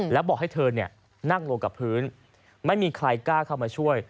แล้วบอกให้เธอนั่งลงกับพื้นไม่มีใครกล้าเข้ามาช่วย